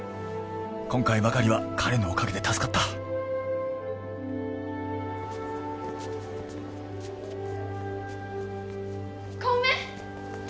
今回ばかりは彼のおかげで助かった小梅！